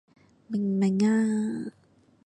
明唔明啊？